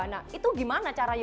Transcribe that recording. nah itu gimana caranya